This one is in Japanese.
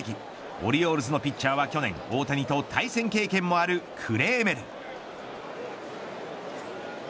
オリオールズのピッチャーは去年、大谷と対戦経験もあるクレーメル。